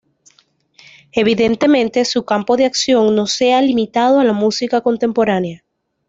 Evidentemente, su campo de acción no se ha limitado a la música contemporánea.